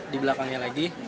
adik saya yang sedikit lebih